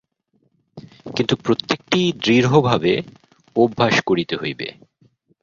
কিন্তু প্রত্যেকটিই দৃঢ়ভাবে অভ্যাস করিতে হইবে।